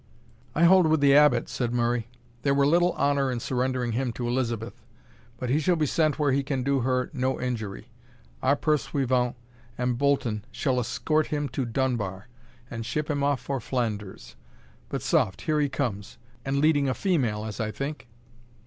"I hold with the Abbot," said Murray; "there were little honour in surrendering him to Elizabeth, but he shall be sent where he can do her no injury. Our pursuivant and Bolton shall escort him to Dunbar, and ship him off for Flanders. But soft, here he comes, and leading a female, as I think."